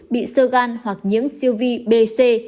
bị sơ gan hoặc nhiễm siêu vi bc